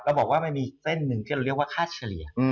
บอกว่ามันมีเส้นหนึ่งที่เราเรียกว่าค่าเฉลี่ย